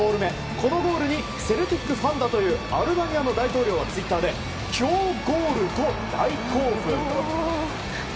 このゴールにセルティックファンだというアルバニアの大統領はツイッターでキョウゴールと大興奮。